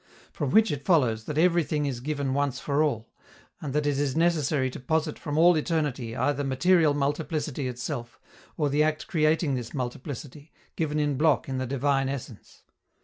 From which it follows that everything is given once for all, and that it is necessary to posit from all eternity either material multiplicity itself, or the act creating this multiplicity, given in block in the divine essence.